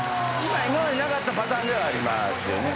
今までなかったパターンではありますよね。